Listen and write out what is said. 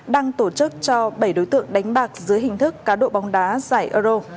đang tổ chức cho bảy đối tượng đánh bạc dưới hình thức cá độ bóng đá giải euro